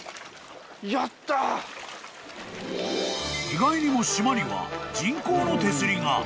［意外にも島には人工の手すりが］